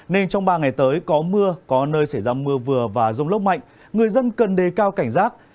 nên trong ba ngày tới có mưa có nơi xảy ra mưa vừa và rông lốc mạnh người dân cần đề cao cảnh giác